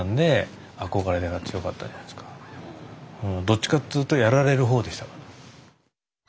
どっちかっつうとやられる方でしたから。